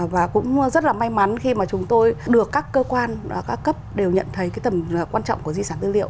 và cũng rất là may mắn khi mà chúng tôi được các cơ quan các cấp đều nhận thấy cái tầm quan trọng của di sản tư liệu